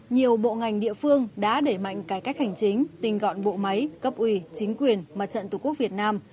nhiều bộ ngành địa phương đã đẩy mạnh cải cách hành chính tinh gọn bộ máy cấp ủy chính quyền mặt trận tổ quốc việt nam